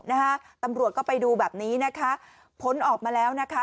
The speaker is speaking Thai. นะคะตำรวจก็ไปดูแบบนี้นะคะผลออกมาแล้วนะคะ